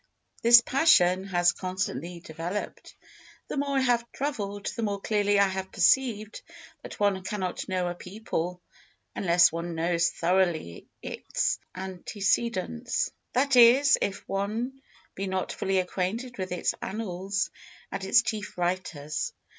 This passion has constantly developed. The more I have travelled, the more clearly I have perceived that one cannot know a people unless one knows thoroughly its antecedents; that is, if one be not fully acquainted with its annals and its chief writers.